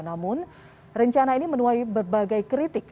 namun rencana ini menuai berbagai kritik